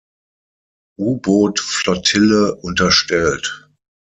U-Boot-Flottille unterstellt.